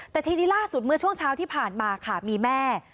แต่ทีนี้ล่าสุดเมื่อช่วงเช้าที่ผ่านมาค่ะมีแม่